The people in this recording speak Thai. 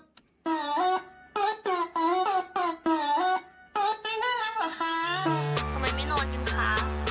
ทำไมไม่โน่นอยู่คะ